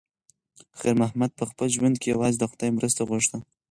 خیر محمد په خپل ژوند کې یوازې د خدای مرسته غوښته.